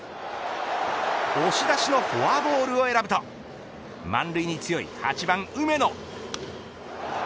押し出しのフォアボールを選ぶと満塁に強い８番、梅野。